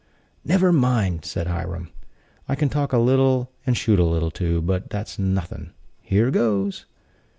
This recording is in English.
"Never mind," said Hiram, "I can talk a little and shoot a little, too, but that's nothin'. Here goes!"